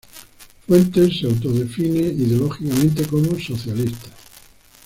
Fuentes se autodefine ideológicamente como socialista.